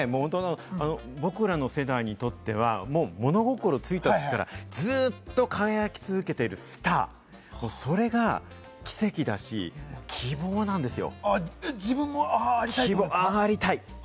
僕らの世代にとっては、もう物心ついたときからずっと輝き続けているスター、それが奇跡だし、希望なんですよ。